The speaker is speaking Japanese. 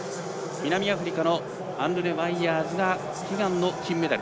南アフリカのアンルネ・ワイヤーズが悲願の金メダル。